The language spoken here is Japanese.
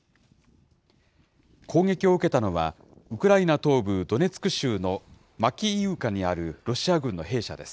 攻撃を受けたのは、ウクライナ東部ドネツク州のマキイウカにあるロシア軍の兵舎です。